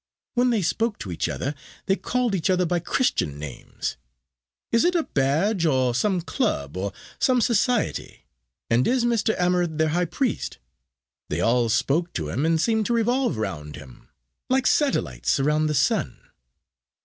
When they spoke to each other, they called each other by Christian names. Is it a badge of some club or some society, and is Mr. Amarinth their high priest? They all spoke to him, and seemed to revolve round him like satellites around the sun."